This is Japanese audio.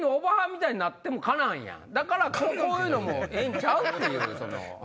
だからこういうのもええんちゃう？っていう。